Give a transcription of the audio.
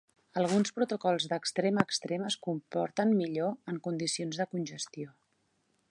Alguns protocols d'extrem a extrem es comporten millor en condicions de congestió.